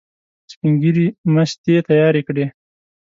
سپین ږیري مستې تیارې کړې.